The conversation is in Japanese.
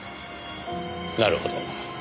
なるほど。